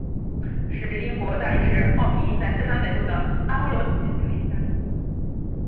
时值英国大力士奥皮音在四川北路的阿波罗影院表演大力戏。